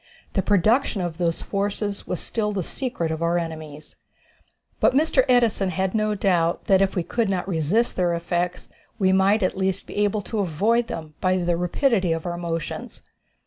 The production of those forces was still the secret of our enemies. But Mr. Edison had no doubt that if we could not resist their effects we might at least be able to avoid them by the rapidity of our motions.